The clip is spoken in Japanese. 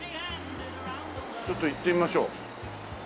ちょっと行ってみましょう。